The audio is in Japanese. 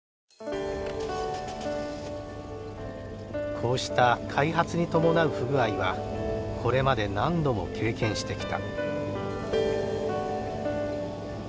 こうした開発に伴う不具合はこれまで何度も経験してきた。